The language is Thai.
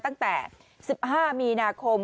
ตั้งแต่๑๕มีนาคม